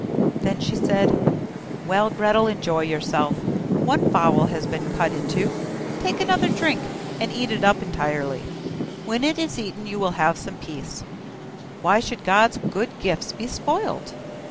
Then she said: 'Well, Gretel, enjoy yourself, one fowl has been cut into, take another drink, and eat it up entirely; when it is eaten you will have some peace, why should God's good gifts be spoilt?